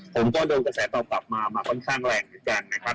ผมก็โดนกระแสตอบกลับมามาค่อนข้างแรงเหมือนกันนะครับ